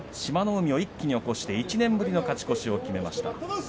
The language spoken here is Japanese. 海を一気に起こして１年ぶりの勝ち越しを決めました。